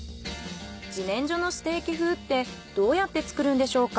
自然薯のステーキ風ってどうやって作るんでしょうか？